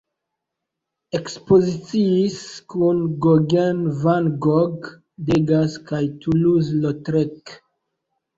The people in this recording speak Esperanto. Ekspoziciis kun Gauguin, Van Gogh, Degas kaj Toulouse-Lautrec.